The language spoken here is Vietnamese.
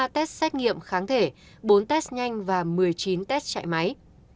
hai mươi ba test xét nghiệm kháng thể bốn test nhanh và một mươi chín test chạy máy